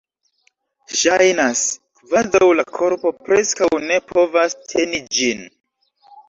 Ŝajnas, kvazaŭ la korpo preskaŭ ne povas teni ĝin.